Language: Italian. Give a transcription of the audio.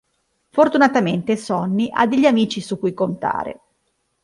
Fortunatamente Sonny ha degli amici su cui contare.